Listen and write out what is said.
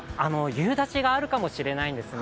夕立があるかもしれないんですね。